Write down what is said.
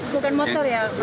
bukan motor ya